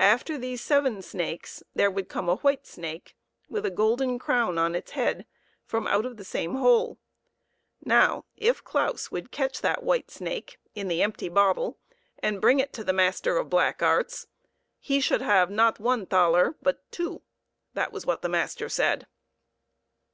After these seven snakes, there would come a white snake, with a golden crown on its head, from out of the same hole. Now if Claus would catch that white snake in the empty bottle, and bring it to the master of black arts, he should have not one thaler, but two that was what the master said.